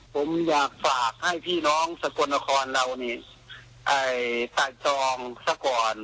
ผมอยากฝากให้พี่น้องสกลนครเรานี่ไต่จองซะก่อน